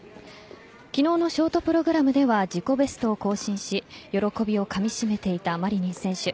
昨日のショートプログラムでは自己ベストを更新し喜びをかみ締めていたマリニン選手。